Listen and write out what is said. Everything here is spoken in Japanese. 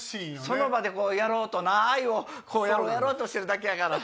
その場でやろうとな愛をやろうやろうとしてるだけやから。